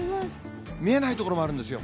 見えない所もあるんですよ。